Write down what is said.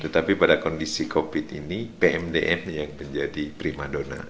tetapi pada kondisi covid ini pmdm yang menjadi prima dona